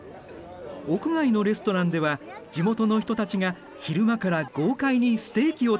屋外のレストランでは地元の人たちが昼間から豪快にステーキを食べている。